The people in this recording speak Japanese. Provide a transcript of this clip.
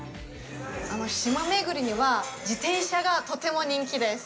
島巡りには自転車がとても人気です。